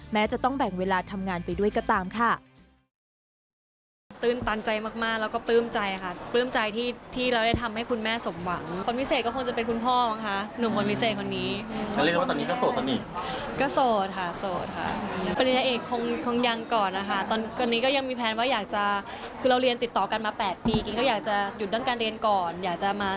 แม้จะต้องแบ่งเวลาทำงานไปด้วยก็ตามค่ะ